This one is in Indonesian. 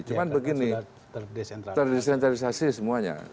cuma begini terdesentralisasi semuanya